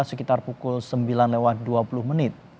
sekitar pukul sembilan lewat dua puluh menit